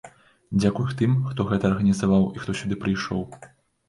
Дзякуй тым, хто гэта арганізаваў, і хто сюды прыйшоў.